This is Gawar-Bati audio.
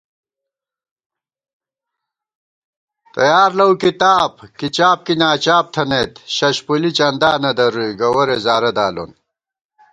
تیار لَؤ کِتاب، کی چاپ کی ناچاپ تھنَئیت ششپُلی چندا نَدَرُوئی گَوَرےزارہ دالون